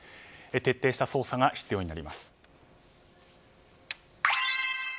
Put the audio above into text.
徹底した捜査が必要になります。